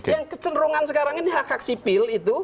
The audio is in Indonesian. yang kecenderungan sekarang ini hak hak sipil itu